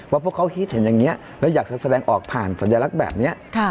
พวกเขาฮิตเห็นอย่างนี้แล้วอยากจะแสดงออกผ่านสัญลักษณ์แบบนี้